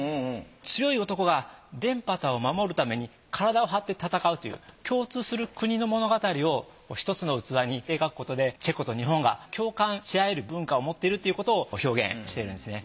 強い男が田畑を守るために体を張って戦うという共通する国の物語を一つの器に描くことでチェコと日本が共感し合える文化を持っているっていうことを表現してるんですね。